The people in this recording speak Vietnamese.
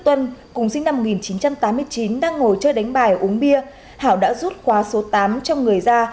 tuân cùng sinh năm một nghìn chín trăm tám mươi chín đang ngồi chơi đánh bài uống bia hảo đã rút khóa số tám trong người ra